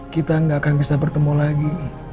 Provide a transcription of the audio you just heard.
kita nggak akan bisa bertemu lagi